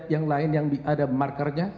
yang lain yang ada markernya